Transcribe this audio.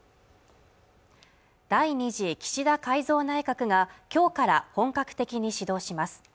第２次岸田改造内閣が今日から本格的に始動します